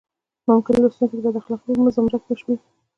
ممکن لوستونکي د بد اخلاقۍ په زمره کې وشمېري.